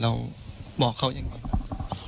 เราบอกเขายังไง